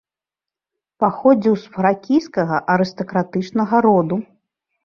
Паходзіў з фракійскага арыстакратычнага роду.